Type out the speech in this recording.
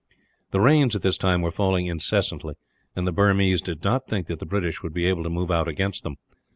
The rains at this time were falling incessantly, and the Burmese did not think that the British would be able to move out against them.